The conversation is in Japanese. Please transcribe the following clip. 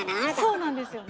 そうなんですよね。